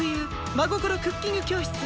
「真心クッキング教室」。